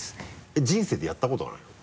えっ人生でやったことがないの？